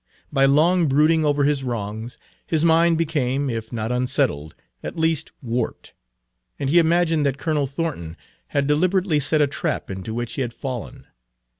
By long brooding over his wrongs, his mind became, if not unsettled, at least warped, and he imagined that Colonel Thornton had deliberately set a trap into which he had fallen.